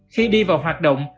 khi đi vào hoạt động